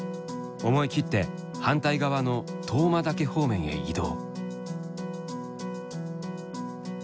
思い切って反対側の当麻岳方面へ移動。